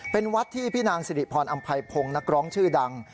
เป็นวัดที่พี่นางสิริพรอำไพพงศ์นักร้องชื่อดัง